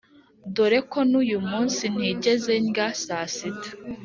dore ko nuyu munsi ntigeze ndya saa sita,